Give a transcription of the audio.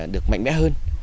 được mạnh mẽ hơn